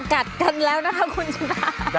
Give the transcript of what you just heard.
สวัสดีครับสวัสดีค่ะได้เวลามากัดกันแล้วนะคะคุณชินทรา